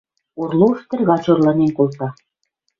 Орлов тӹргач орланен колта: